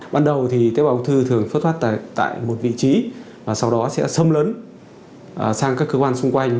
ban đầu thì tế bào ung thư thường phát thoát tại một vị trí và sau đó sẽ xâm lớn sang các cơ quan xung quanh